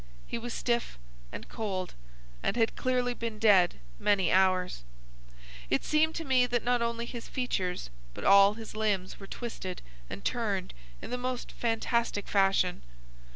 He was stiff and cold, and had clearly been dead many hours. It seemed to me that not only his features but all his limbs were twisted and turned in the most fantastic fashion.